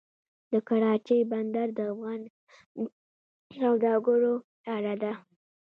د کراچۍ بندر د افغان سوداګرو لاره ده